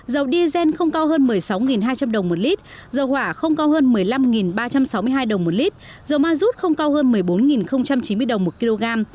dầu diesel không cao hơn một mươi sáu hai trăm linh đồng một lít dầu hỏa không cao hơn một mươi năm ba trăm sáu mươi hai đồng một lít dầu ma rút không cao hơn một mươi bốn chín mươi đồng một kg